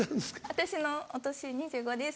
私のお年２５です。